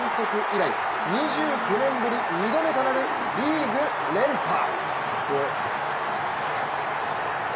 以来２９年ぶり２度目となるリーグ連覇。